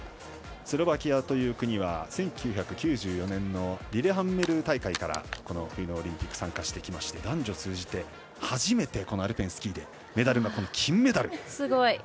スロバキアという国は１９９４年のリレハンメル大会から冬のオリンピック参加してきまして男女通じて初めてアルペンスキーでメダルは金メダル。